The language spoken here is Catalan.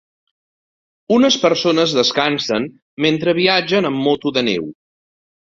Unes persones descansen mentre viatgen en moto de neu.